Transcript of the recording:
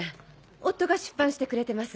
夫が出版してくれてます。